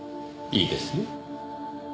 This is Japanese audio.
いいですよ。